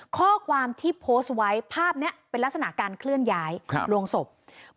ข้อความที่โพสต์ไว้ภาพนี้เป็นลักษณะการเคลื่อนย้ายลงศพ